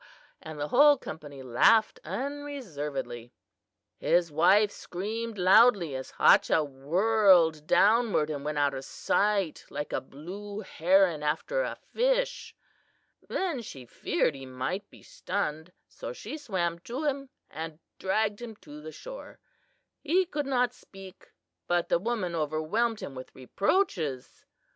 and the whole company laughed unreservedly. "His wife screamed loudly as Hachah whirled downward and went out of sight like a blue heron after a fish. Then she feared he might be stunned, so she swam to him and dragged him to the shore. He could not speak, but the woman overwhelmed him with reproaches.